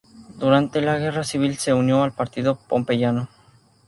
Durante la guerra civil se unió al partido pompeyano.